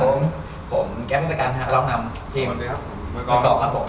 ขอบคุณแก๊ฟภาษาการฮารองนำทีมเมื่อกรอบครับผม